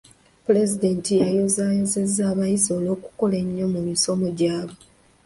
Pulezidenti yayozaayozezza abayizi olw'okukola ennyo mu misomo gyabwe.